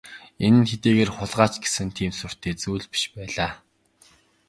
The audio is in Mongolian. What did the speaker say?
Энэ нь хэдийгээр хулгай ч гэсэн тийм сүртэй зүйл биш байлаа.